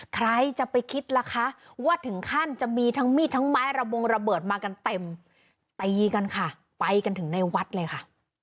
ใครจะไปคิดล่ะคะว่าถึงขั้นจะมีทั้งมีดทั้งไม้ระบงระเบิดมากันเต็มตีกันค่ะไปกันถึงในวัดเลยค่ะ